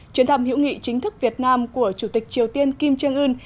chuyến thăm hữu nghị chính thức việt nam của chủ tịch triều tiên kim trương ưn